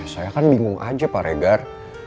saya kan bingung aja pak regar